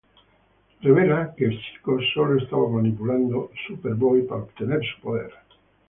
Él revela que Psycho solo estaba manipulando Superboy para obtener su poder.